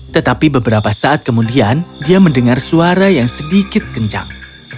tetapi beberapa saat kemudian dia mendengar suara yang sedikit kencang